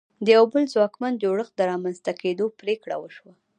د یوه بل ځواکمن جوړښت د رامنځته کېدو پرېکړه وشوه.